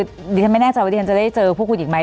ดิฉันไม่แน่ใจว่าดิฉันจะได้เจอพวกคุณอีกไหม